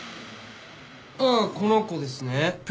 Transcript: ああこの子ですね。